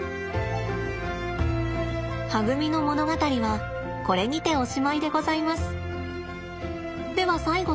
はぐみの物語はこれにておしまいでございます。